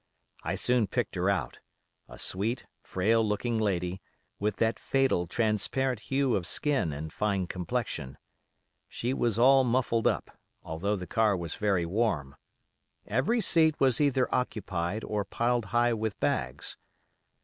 I soon picked her out: a sweet, frail looking lady, with that fatal, transparent hue of skin and fine complexion. She was all muffled up, although the car was very warm. Every seat was either occupied or piled high with bags.